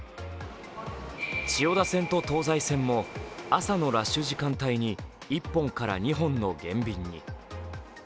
千代田線と東西線も朝のラッシュ時間帯に１本から２本の減便に。